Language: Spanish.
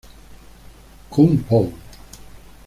Kung Pow!